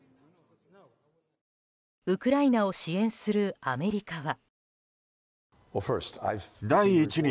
ウクライナを支援するアメリカは。